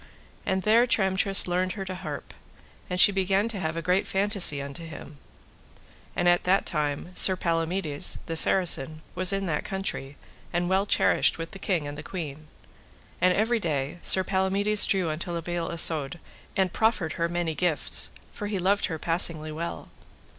And there Tramtrist learned her to harp, and she began to have a great fantasy unto him. And at that time Sir Palamides, the Saracen, was in that country, and well cherished with the king and the queen. And every day Sir Palamides drew unto La Beale Isoud and proffered her many gifts, for he loved her passingly well.